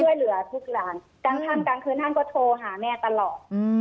ช่วยเหลือทุกหลานกลางค่ำกลางคืนท่านก็โทรหาแม่ตลอด